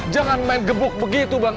jangan main gebuk begitu bang